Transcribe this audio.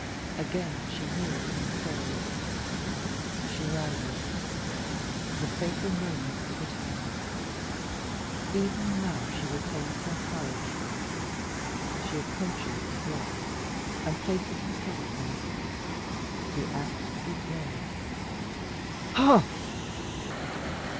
Again she kneels and prays. She rises. The fatal moment is at hand. Even now she retains her courage she approaches the block, and places her head upon it. The axe is raised ha!"